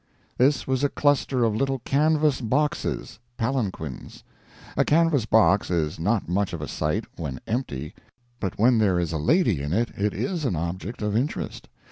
This was a cluster of little canvas boxes palanquins. A canvas box is not much of a sight when empty; but when there is a lady in it, it is an object of interest.